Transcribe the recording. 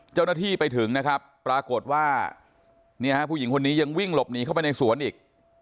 เจ้าหน้าที่ไปถึงนะครับปรากฏว่าเนี่ยฮะผู้หญิงคนนี้ยังวิ่งหลบหนีเข้าไปในสวนอีก